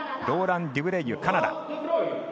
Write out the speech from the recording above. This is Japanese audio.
ローラン・デュブレイユ、カナダ。